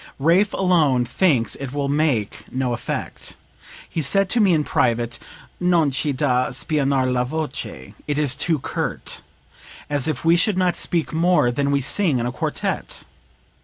Raaff alone thinks it will make no effect. He said to me in private: 'Non c'e da spianar la voce it is too curt.' As if we should not speak more than we sing in a quartet!